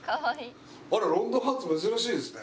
あら『ロンドンハーツ』珍しいですね。